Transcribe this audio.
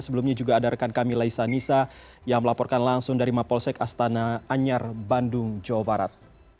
sebelumnya juga ada rekan kami laisa nisa yang melaporkan langsung dari mapolsek astana anyar bandung jawa barat